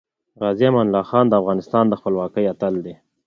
غازې امان الله خان د افغانستان د خپلواکۍ اتل دی .